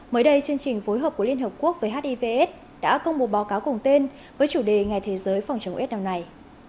mới đây chương trình phối hợp của liên hợp quốc với hivs đã công bố báo cáo cùng tên với chủ đề ngày thế giới phòng chống s năm này